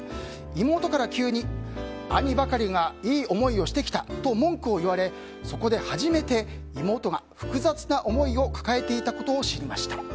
妹から急に、兄ばかりがいい思いをしてきたと文句を言われそこで初めて妹が複雑な思いを抱えていたことを知りました。